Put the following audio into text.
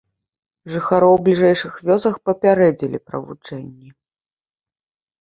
Жыхароў бліжэйшых вёсак папярэдзілі пра вучэнні.